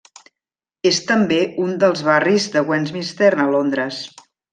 És també un dels barris de Westminster a Londres.